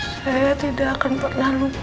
saya tidak akan pernah lupa